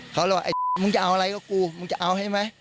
เขาเลยว่าไอ้มึงจะเอาอะไรก็กูมึงจะเอาใช่ไหม